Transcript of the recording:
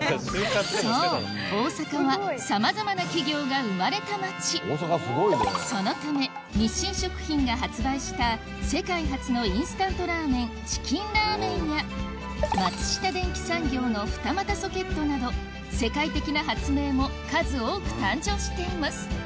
そう大阪はそのため日清食品が発売した世界初のインスタントラーメンチキンラーメンや松下電器産業の二股ソケットなど世界的な発明も数多く誕生しています